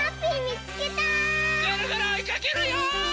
ぐるぐるおいかけるよ！